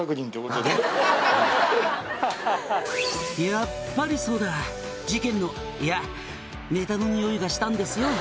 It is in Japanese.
「やっぱりそうだ」「事件のいやネタのニオイがしたんですよ」